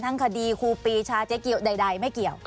ทั้งคดีครูปีเช้าชายเกียวใดไม่เกี่ยว